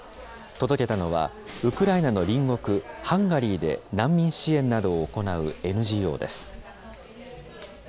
届けたのはウクライナの隣国、ハンガリーで難民支援などを行うＮＧＯです。